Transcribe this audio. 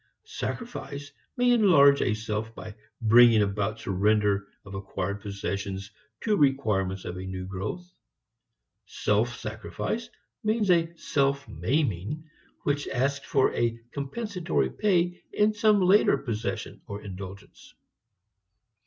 Sacrifice may enlarge a self by bringing about surrender of acquired possessions to requirements of new growth. Self sacrifice means a self maiming which asks for compensatory pay in some later possession or indulgence.